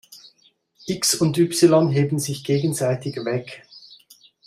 x und y heben sich gegenseitig weg.